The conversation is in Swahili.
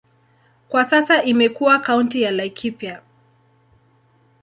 Kwa sasa imekuwa kaunti ya Laikipia.